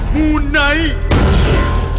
หมู่ไนท์